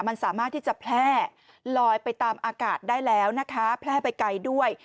มันสามารถที่จะแพร่ลอยไปตามอากาศได้แล้วนะคะแพร่ไปไกลด้วย